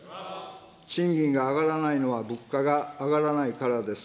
賃金が上がらないのは物価が上がらないからです。